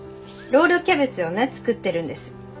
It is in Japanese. ロールキャベツをね作ってるんです。